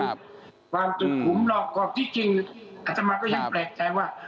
ความสุขผมหลอกกรอบที่จริงอัตมาก็ยังแปลกใจว่า